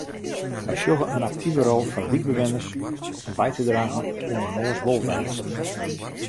Wy sjogge in aktive rol foar wykbewenners om by te dragen oan inoars wolwêzen.